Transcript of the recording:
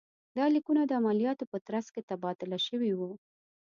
دا لیکونه د عملیاتو په ترڅ کې تبادله شوي وو.